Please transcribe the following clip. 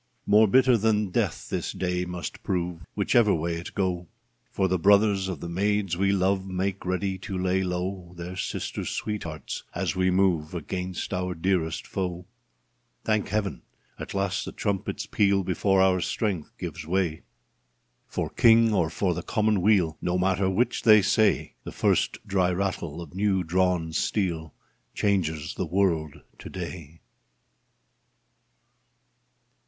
More bitter than death this day must prove Whichever way it go, 156 Charles I For the brothers of the maids we love Make ready to lay low Their sisters' sweethearts, as we move Against our dearest foe. Thank Heaven ! At last the trumpets peal Before our strength gives way. For King or for the Commonweal No matter which they say, The first dry rattle of new drawn steel Changes the world to day